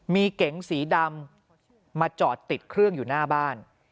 มีเก๋งสีดำมาจอดติดเครื่องอยู่หน้าบ้าน